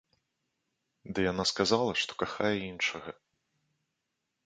Ды яна сказала, што кахае іншага.